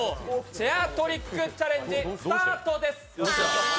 チェアトリックチャレンジ、スタートです！